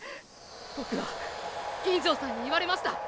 ボクは金城さんに言われました。